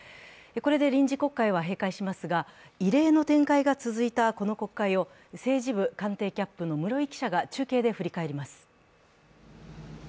これで臨時国会は閉会しますが、異例の展開が続いたこの国会を政治部官邸キャップの室井記者が中継で振り返ります。